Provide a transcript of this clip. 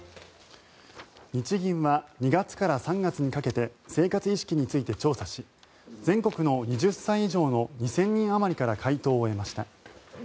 日銀は２月から３月にかけて生活意識について調査し全国の２０歳以上の２０００人あまりから回答を得ました。